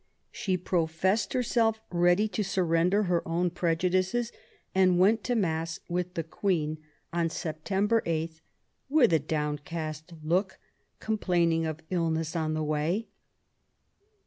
She pro fessed herself ready to surrender her own prejudices and went to Mass with the Queen on September 8, 24 QUEEN ELIZABETH, with a downcast look, complaining of illness on the way.